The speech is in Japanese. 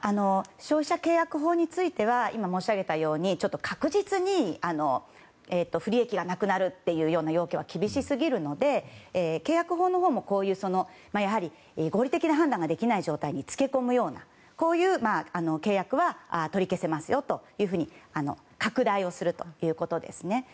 消費者契約法については今申し上げたように確実に不利益がなくなるという要件は厳しすぎるので契約法のほうもやはり、合理的な判断ができない状況につけ込むような契約は取り消せますよというふうに拡大をするということですね。